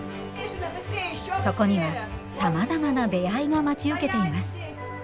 そこにもさまざまな出会いが待ち受けています。